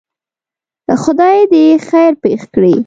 خدای دی خیر پېښ کړي.